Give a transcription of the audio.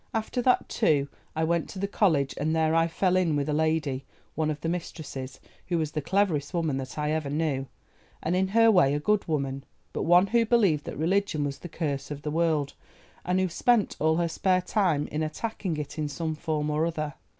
"After that, too, I went to the college and there I fell in with a lady, one of the mistresses, who was the cleverest woman that I ever knew, and in her way a good woman, but one who believed that religion was the curse of the world, and who spent all her spare time in attacking it in some form or other.